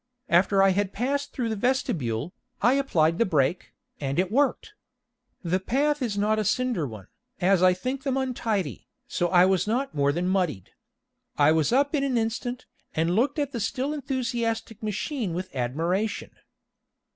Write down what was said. After I had passed through the vestibule, I applied the brake, and it worked. The path is not a cinder one, as I think them untidy, so I was not more than muddied. I was up in an instant, and looked at the still enthusiastic machine with admiration.